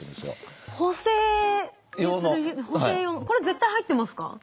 これ絶対入ってますか？